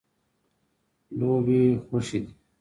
لوبې خوښې دي.